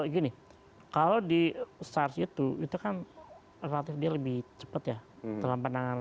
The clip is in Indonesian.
gini kalau di sars itu itu kan relatifnya lebih cepat ya dalam pandangannya